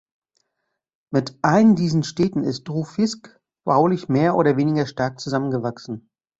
Mit allen diesen Städten ist Rufisque baulich mehr oder weniger stark zusammengewachsen.